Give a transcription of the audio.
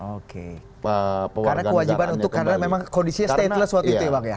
oke karena kewajiban untuk karena memang kondisinya stainless waktu itu ya bang ya